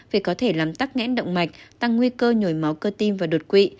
vì có thể làm tắc nghẽn động mạch tăng nguy cơ nhồi máu cơ tim và đột quỵ